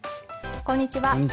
こんにちは。